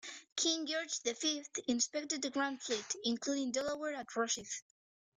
King George the Fifth inspected the Grand Fleet, including "Delaware", at Rosyth.